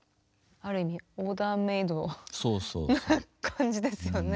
ある意味オーダーメードな感じですよね。